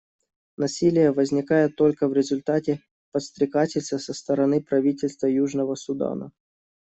Насилие возникает только в результате подстрекательства со стороны правительства Южного Судана.